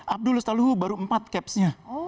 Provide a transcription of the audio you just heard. abdul ustaluhu baru empat capsnya